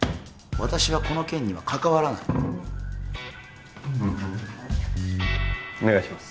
私はこの件には関わらないお願いします